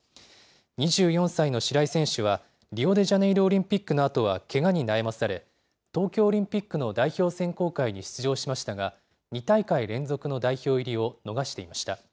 ２４歳の白井選手は、リオデジャネイロオリンピックのあとは、けがに悩まされ、東京オリンピックの代表選考会に出場しましたが、２大会連続の代表入りを逃していました。